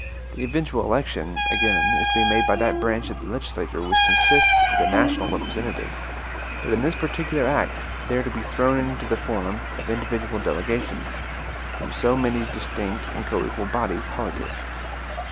The eventual election, again, is to be made by that branch of the legislature which consists of the national representatives; but in this particular act they are to be thrown into the form of individual delegations, from so many distinct and coequal bodies politic.